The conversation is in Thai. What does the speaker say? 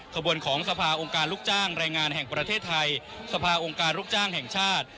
ขบวนของสภาองค์การลูกจ้างแรงงานแห่งประเทศไทยสภาองค์การลูกจ้างแห่งชาติ